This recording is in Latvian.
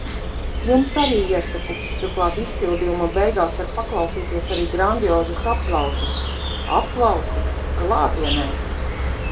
Jums arī iesaku. Turklāt izpildījuma beigās var paklausīties arī grandiozus aplausus. Aplausi. Klātienē.